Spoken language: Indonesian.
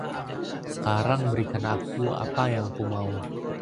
Sekarang berikan aku apa yang aku mau.